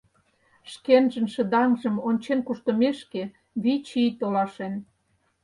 Шкенжын шыдаҥжым ончен куштымешке вич ий толашен...